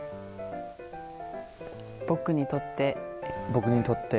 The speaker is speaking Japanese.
僕にとって。